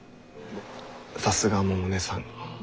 さすが百音さん。